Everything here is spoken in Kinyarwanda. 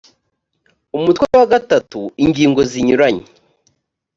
umutwe wa iii ingingo zinyuranye